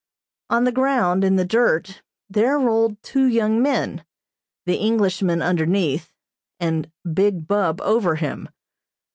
On the ground, in the dirt, there rolled two young men, the Englishman underneath, and Big Bub over him.